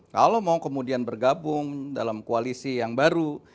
kalau mau kemudian bergabung dalam koalisi yang baru